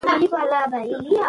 نیت چې سم وي، لاره پخپله سمېږي.